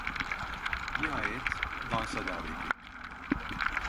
Nihayet dansa davet ettim.